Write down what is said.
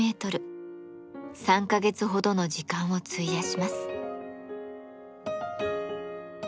３か月ほどの時間を費やします。